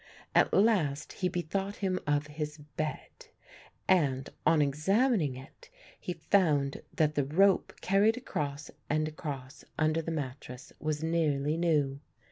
At last he bethought him of his bed and, on examining it, he found that the rope carried across and across under the mattrass was nearly new.